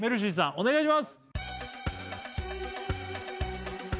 お願いします